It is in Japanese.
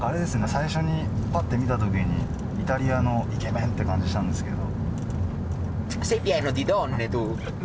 最初にパッて見た時にイタリアのイケメンって感じしたんですけど。